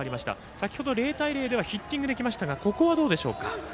先程０対０ではヒッティングで来ましたがここはどうでしょうか。